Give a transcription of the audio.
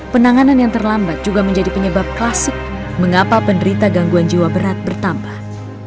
penanganan yang terlambat juga menjadi penyebab klasik mengapa penderita gangguan jiwa berat bertambah